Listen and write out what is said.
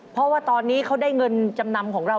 เพราะว่าตอนนี้เขาได้เงินจำนำของเรา